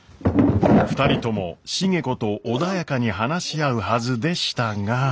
２人とも重子と穏やかに話し合うはずでしたが。